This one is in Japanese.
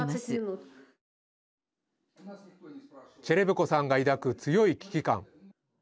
チェレブコさんが抱く強い危機感。